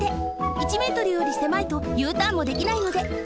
１メートルよりせまいとＵターンもできないのであ